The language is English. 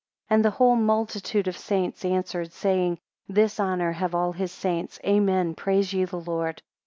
15 And the whole multitude of saints answered, saying, This honour have all his saints, Amen, Praise ye the Lord.